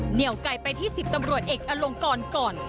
เหนียวไกลไปที่๑๐ตำรวจเอกอลงกรก่อน